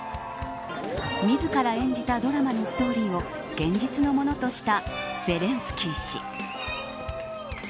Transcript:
自ら演じたドラマのストーリーを現実のものとしたゼレンスキー氏。